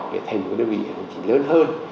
để thành một đơn vị hành chính lớn hơn